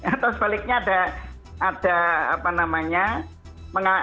atau sebaliknya ada apa namanya